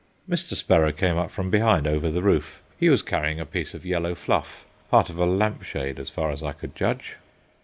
Mr. Sparrow came up from behind, over the roof. He was carrying a piece of yellow fluff, part of a lamp shade, as far as I could judge.